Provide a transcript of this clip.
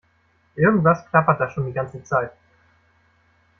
Irgendwas klappert da schon die ganze Zeit.